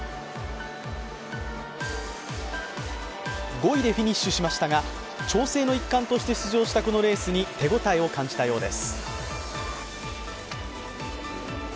５位でフィニッシュしましたが、調整の一環として出場したこのレースに手応えを感じたようです。